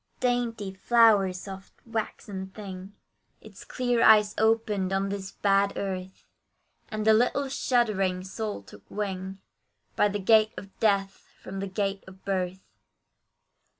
Dainty, flower soft, waxen thing, Its clear eyes opened on this bad earth, And the little shuddering soul took wing, By the gate of death, from the gate of birth.